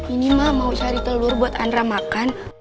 ini mah mau cari telur buat andra makan